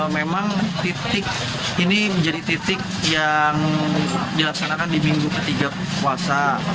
memang titik ini menjadi titik yang dilaksanakan di minggu ketiga puasa